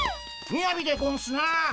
みやびでゴンスな。